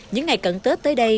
những ngày cận tết tới đây